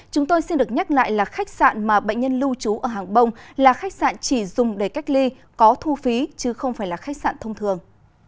chúng tôi xin được nhắc lại là khách sạn mà bệnh nhân lưu trú ở hàng bông là khách sạn chỉ dùng để cách ly có thu phí chứ không phải là khách sạn thông thường